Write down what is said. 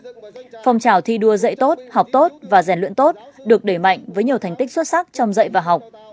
nội dung phòng trào thi đua dạy tốt học tốt và rèn luyện tốt được đẩy mạnh với nhiều thành tích xuất sắc trong dạy và học